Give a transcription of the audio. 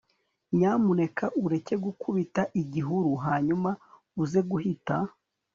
nyamuneka ureke gukubita igihuru hanyuma uze guhita